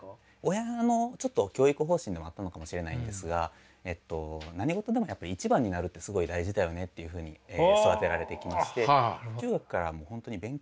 親のちょっと教育方針でもあったのかもしれないんですが何ごとでもやっぱ一番になるってすごい大事だよねっていうふうに育てられてきまして。